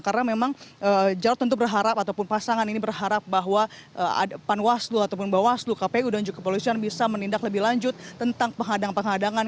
karena memang jarod tentu berharap ataupun pasangan ini berharap bahwa panwaslu ataupun bawaslu kpu dan juga kepolisian bisa menindak lebih lanjut tentang penghadangan penghadangan